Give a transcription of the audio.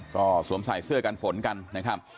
ก็สวมใส่เสื้อกันฝนกันนะครับ